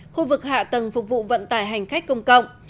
khu vực hạ tầng phục vụ vận tải hành khách công cộng